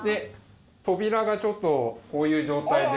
扉がちょっとこういう状態で。